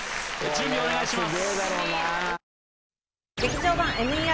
準備お願いします